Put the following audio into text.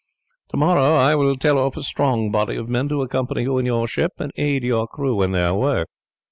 To morrow I will tell off a strong body of men to accompany you in your ship, and aid your crew in their work."